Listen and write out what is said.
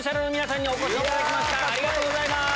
ありがとうございます。